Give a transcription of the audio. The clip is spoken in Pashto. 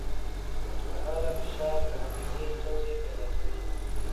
اوږدمهاله فشار د حافظې ستونزې پیدا کوي.